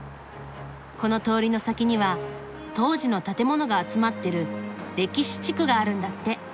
この通りの先には当時の建物が集まってる歴史地区があるんだって。